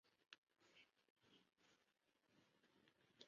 主菜通常会紧接着后面送上。